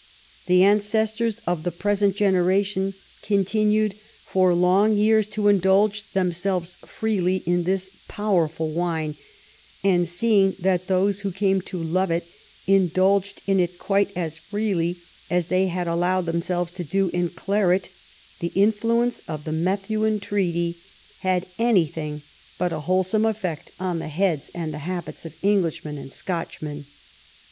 The ancestors of the present generation continued for long years to indulge themselves freely in this powerful wine, and seeing that those who came to love it indulged in it quite as freely as they had allowed themselves to do in claret, the influence of the Methuen treaty had any 88 ON THE ROUGH EDGE OF BATTLE • thing but a wholesome effect on the heads and the habits of Englishmen and Scotchmen.